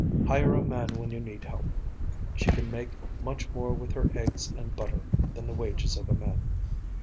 Hire a man when you need help. She can make much more with her eggs and butter than the wages of a man.